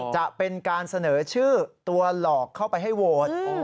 จะเป็นการเสนอชื่อตัวหลอกเข้าไปให้โหวต